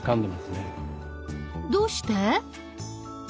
どうして？